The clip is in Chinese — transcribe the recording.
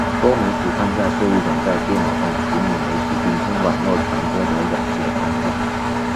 多媒体框架是一种在电脑上处理媒体并经网络传播的软件框架。